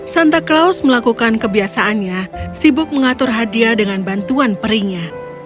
santa claus melakukan kebiasaannya sibuk mengatur hadiah dengan bantuan perinya